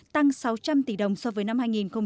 tăng sáu trăm linh tỷ đồng so với năm hai nghìn một mươi bảy